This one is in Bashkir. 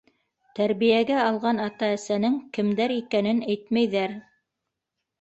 Тәрбиәгә алған ата-әсәнең кемдәр икәнен әйтмәйҙәр.